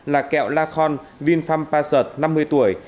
là kẹo la khon vin pham pasut năm mươi tuổi